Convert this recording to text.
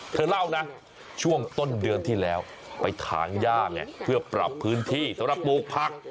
เธอเล่านะช่วงต้นเดือนที่แล้วไปถางย่าไงเพื่อปรับพื้นที่สำหรับปลูกผัก